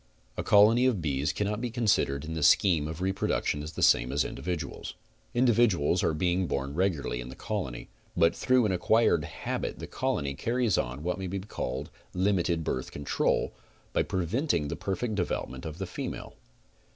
A colony of bees cannot be considered in the scheme of re production the same as individuals. Individuals are being born regularly in th ecolony, but through an acquired habit the colony carries on what may be called limited birth control, by 'prevent ing the perfect development of the female.